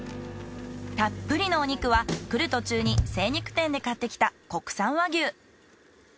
たっぷりのお肉は来る途中に精肉店で買ってきた国産和牛。